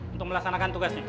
untuk melaksanakan tugas ibu